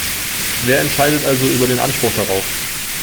Wer entscheidet also über den Anspruch darauf?